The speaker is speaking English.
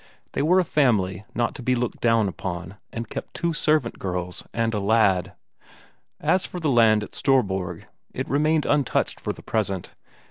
They were a family not to be looked down upon, and kept two servant girls and a lad. As for the land at Storborg, it remained untouched for the present.